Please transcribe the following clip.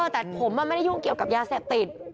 แต่ผมไม่ได้ยุ่งเกี่ยวกับยาเสพติด